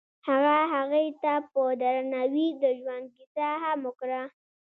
هغه هغې ته په درناوي د ژوند کیسه هم وکړه.